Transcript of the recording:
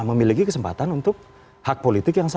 memiliki kesempatan untuk hak politik yang sama